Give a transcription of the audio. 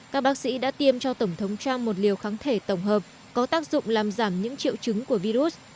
các bác sĩ đã tiêm cho tổng thống trump một liều kháng thể tổng hợp có tác dụng làm giảm những triệu chứng của virus